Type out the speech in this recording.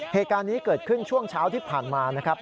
เหตุการณ์นี้เกิดขึ้นช่วงเช้าที่ผ่านมานะครับ